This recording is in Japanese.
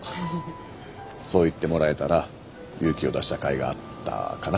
そう言ってもらえたら勇気を出したかいがあったかな。